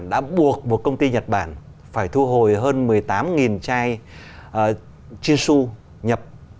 đã buộc một công ty nhật bản phải thu hồi hơn một mươi tám chai chinsu nhập